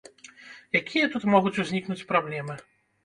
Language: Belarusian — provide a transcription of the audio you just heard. Якія тут могуць узнікнуць праблемы?